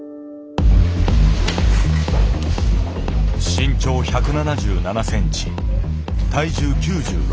身長１７７センチ体重９６キロ。